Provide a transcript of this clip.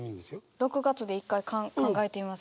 ６月で一回考えてみます。